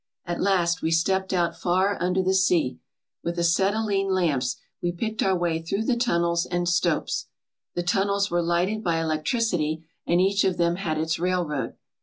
At last we stepped out far under the sea. With acetylene lamps we picked our way through the tunnels and stopes. The tunnels were lighted by electricity and each of them had its railroad.